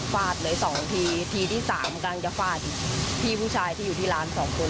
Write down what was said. ฟาดเลยสองทีทีที่สามกำลังจะฟาดพี่ผู้ชายที่อยู่ที่ร้านสองคน